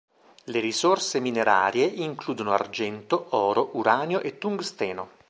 Le risorse minerarie includono argento, oro, uranio e tungsteno.